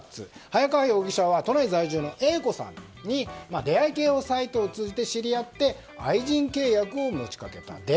早川容疑者は都内在住のＡ子さんに出会い系サイトを通じて知り合い愛人契約を持ち掛けた。